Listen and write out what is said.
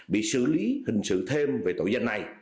bị xử lý hình sự thêm về tội danh này